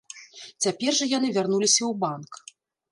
Цяпер жа яны вярнуліся ў банк.